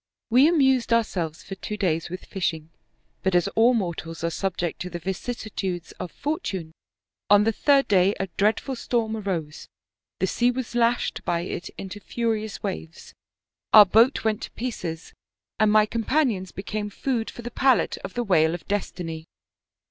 We amused ourselves for two days with fish ing, but as all mortals are subject to the vicissitudes of fortune, on the third day a dreadful storm arose, the sea was lashed by it into furious waves, our boat went to pieces, and my companions became food for the palate of the whale of destiny.